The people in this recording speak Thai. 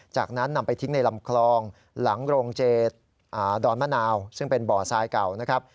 จากนั้นนำไปทิ้งในลำคลองหลังโรงเจดอนมะนาวซึ่งเป็นบ่อทรายเก่านะครับ